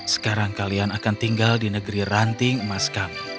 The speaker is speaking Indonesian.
sekarang kalian akan tinggal di negeri ranting emas kami